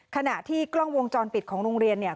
ขณะที่กล้องวงจรปิดของโรงเรียนเนี่ย